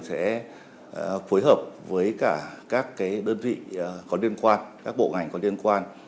sẽ phối hợp với cả các đơn vị có liên quan các bộ ngành có liên quan